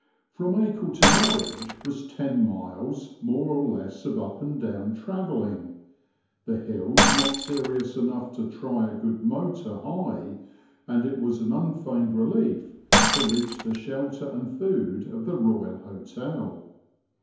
From Acle to Norwich was ten miles more or less of up and down travelling, the hills not serious enough to try a good motor high, and it was an unfeigned relief to reach the shelter and food of the Royal Hotel.